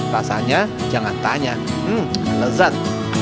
rasanya jangan tanya lezat